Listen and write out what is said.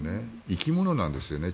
生き物なんですね。